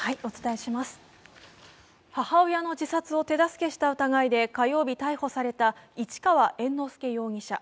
母親の自殺を手助けした疑いで火曜日、逮捕された市川猿之助容疑者。